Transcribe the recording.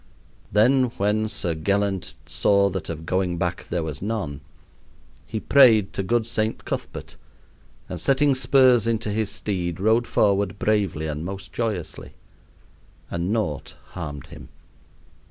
Then when Sir Ghelent saw that of going back there was none, he prayed to good Saint Cuthbert, and setting spurs into his steed rode forward bravely and most joyously. And naught harmed him.